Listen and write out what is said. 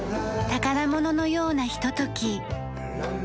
宝物のようなひととき。